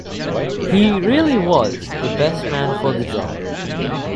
He really was the best man for the job.